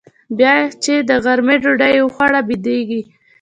بيا چې د غرمې ډوډۍ يې وخوړه بيدېږي.